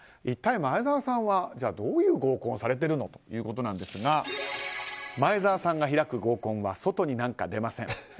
一体、前澤さんはどういう合コンをされてるの？ということなんですが前澤さんが開く合コンは外になんか出ません。